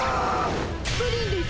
プリンです。